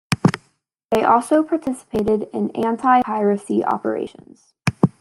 They also participate in Anti-Piracy operations.